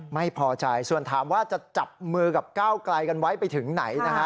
ไม่พอใจส่วนถามว่าจะจับมือกับก้าวไกลกันไว้ไปถึงไหนนะฮะ